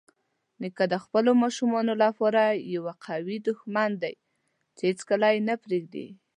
نیکه د خپلو ماشومانو لپاره یوه قوي دښمن دی چې هیڅکله یې نه پرېږدي.